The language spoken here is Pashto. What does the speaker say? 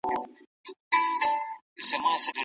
ځيني خلګ د خپلو پرېکړو نتايج نه سنجوي.